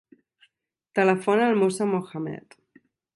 Telefona al Moussa Mohamed.